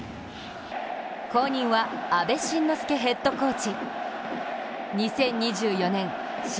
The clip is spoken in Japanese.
後任は阿部慎之助ヘッドコーチ。